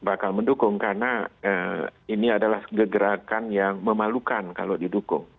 bakal mendukung karena ini adalah gerakan yang memalukan kalau didukung